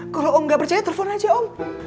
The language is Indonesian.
kalo om nggak percaya telfon aja om